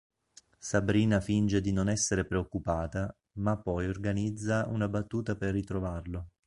Sabrina finge di non essere preoccupata, ma poi organizza una battuta per ritrovarlo.